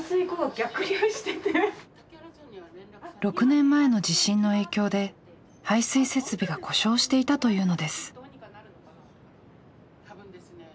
６年前の地震の影響で排水設備が故障していたというのです。